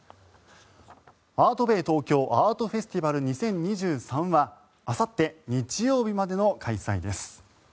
ＡＲＴＢＡＹＴＯＫＹＯアートフェスティバル２０２３はあさって日曜日までの開催です。